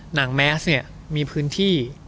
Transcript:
แมสเนี่ยมีพื้นที่